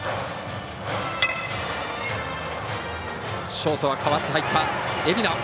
ショート、代わって入った蝦名。